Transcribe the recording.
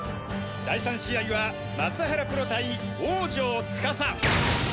第３試合はマツハラプロ対王城つかさ。